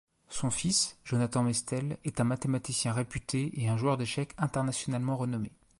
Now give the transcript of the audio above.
Son fils, Jonathan Mestel, est un mathématicien réputé et un joueur d'échecs internationalement renommé.